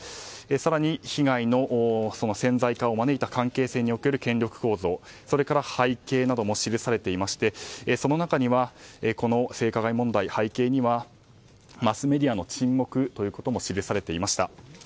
更に被害の潜在化を招いた関係性における権力構造や背景なども記されていましてその中には、この性加害問題背景にはマスメディアの沈黙とも記されていました。